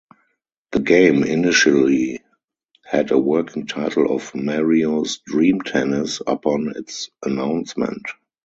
The game initially had a working title of "Mario's Dream Tennis" upon its announcement.